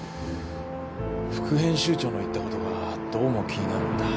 副編集長の言ったことがどうも気になるんだ。